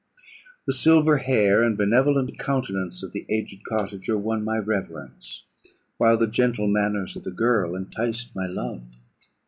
The silver hair and benevolent countenance of the aged cottager won my reverence, while the gentle manners of the girl enticed my love.